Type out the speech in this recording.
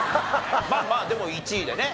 まあまあでも１位でね。